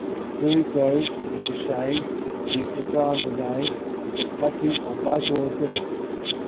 "Here he comes, and for shame! ye've forgotten the name— Is it Patsy or Michael or Dinnis?"